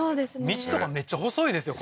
道とかめっちゃ細いですよ